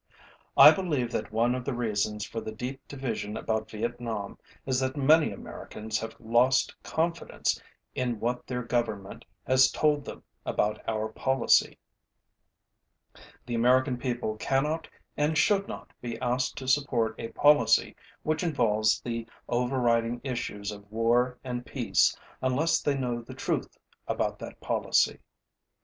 I believe that one of the reasons for the deep division about Vietnam is that many Americans have lost confidence in what their Government has told them about our policy. The American people cannot and should not be asked to support a policy which involves the overriding issues of war and peace unless they know the truth about that policy.